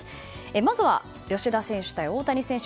まずは吉田選手対大谷選手